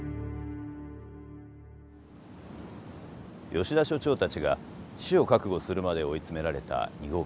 吉田所長たちが死を覚悟するまで追い詰められた２号機。